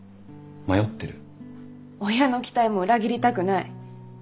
親の期待も裏切りたくない。